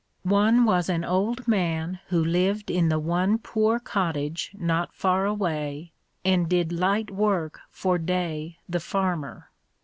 One was an old man who lived in the one poor cottage not far away and did light work for Day the farmer.